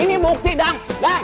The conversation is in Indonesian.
ini bukti dang